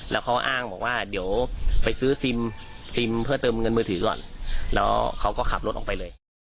แล้วเขาอ้างบอกว่าเดี๋ยวไปซื้อซิมซิมเพื่อเติมเงินมือถือก่อนแล้วเขาก็ขับรถออกไปเลย